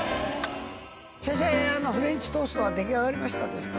先生フレンチトーストは出来上がりましたですか？